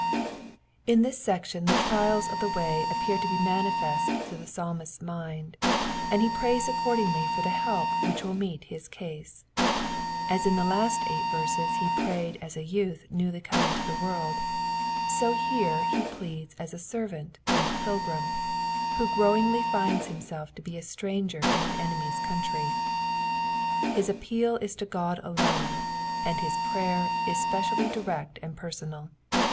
In this section the trials of the way appear to be manifest to the Psalmist's mind, and he prays accordingly for the help which will meet his case. As in the last eight verses he prayed as a youth newly come into the world, so here he pleads as a servant and a pilgrim, who growingly finds himself to be a stranger in an enemy's country. His appeal is to God alone, and his prayer is specially direct and personal.